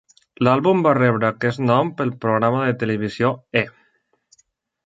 L'àlbum va rebre aquest nom pel programa de televisió E!